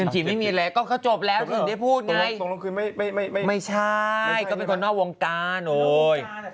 จบแล้วก็จบแล้วถึงได้พูดไงไม่ใช่ก็เป็นคนนอกวงการโอ้ย